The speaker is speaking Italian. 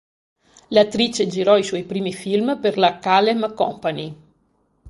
L'attrice girò i suoi primi film per la Kalem Company.